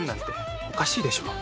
おかしいでしょ。